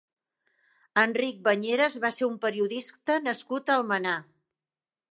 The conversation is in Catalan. Enric Bañeres va ser un periodista nascut a Almenar.